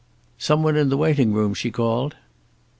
"Some one in the waiting room," she called.